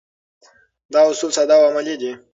دا اصول ساده او عملي دي.